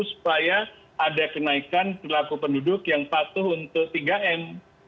supaya ada kenaikan perilaku penduduk yang patuh untuk tiga m